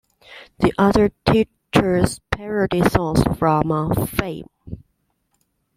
The other teachers parody songs from "Fame".